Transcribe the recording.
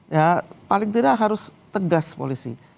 ya paling tidak harus tegas polisi